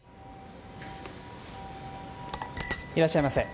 いらっしゃいませ。